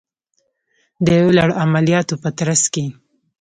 د یو لړ عملیاتو په ترڅ کې